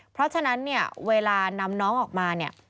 เพราะฉะนั้นเวลานำน้องออกมา